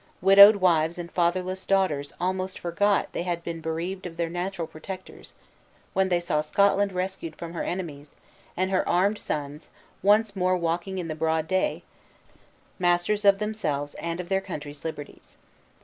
Widowed wives and fatherless daughters almost forgot they had been bereaved of their natural protectors, when they saw Scotland rescued from her enemies, and her armed sons, once more walking in the broad day, masters of themselves and of their country's liberties.